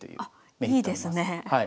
あっいいですね。